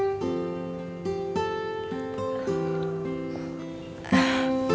kamu sudah putuskan